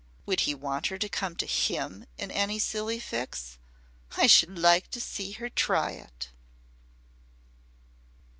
Would he want her to come to him in any silly fix? I should like to see her try it."